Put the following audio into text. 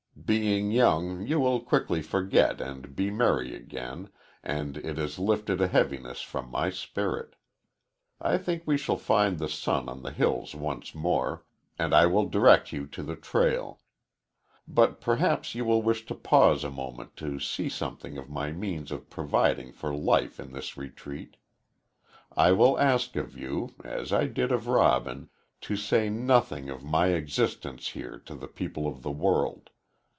Being young, you will quickly forget and be merry again, and it has lifted a heaviness from my spirit. I think we shall find the sun on the hills once more, and I will direct you to the trail. But perhaps you will wish to pause a moment to see something of my means of providing for life in this retreat. I will ask of you, as I did of Robin, to say nothing of my existence here to the people of the world.